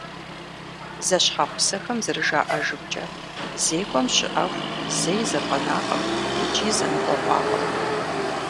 Зэщхьэгъусэхэм зэрыжаӏэжымкӏэ, зекӏуэм щыӏэху зэи зэфӏэнакъым икӏи зэныкъуэкъуакъым.